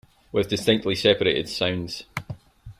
With distinctly separated sounds.